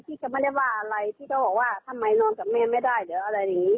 พี่ก็ไม่ได้ว่าอะไรพี่ก็บอกว่าทำไมนอนกับแม่ไม่ได้เดี๋ยวอะไรอย่างนี้